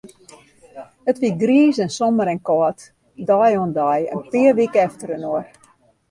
It wie griis en somber en kâld, dei oan dei, in pear wike efterinoar.